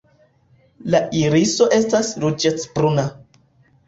La iriso estas ruĝecbruna.